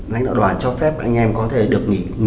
đánh đoàn đoàn cho phép anh em có thể được nghỉ